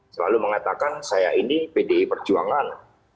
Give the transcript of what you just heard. selalu mengatakan saya ini pdi perjuangan